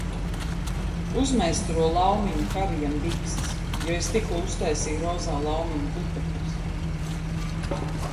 Uzmeistaro Laumiņu Harijam bikses, jo, es tikko uztaisīju rozā laumiņu putekļus!